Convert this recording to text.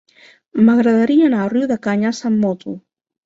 M'agradaria anar a Riudecanyes amb moto.